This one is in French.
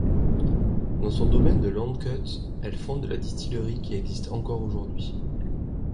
Dans son domaine de Łańcut, elle fonde la distillerie qui existe encore aujourd'hui.